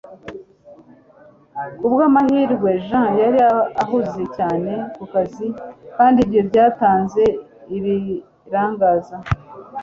Kubwamahirwe Jean yari ahuze cyane kukazi, kandi ibyo byatanze ibirangaza